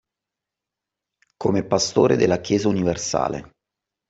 Come Pastore della Chiesa universale